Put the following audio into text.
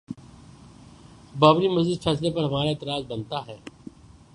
بابری مسجد فیصلے پر ہمارا اعتراض بنتا ہے؟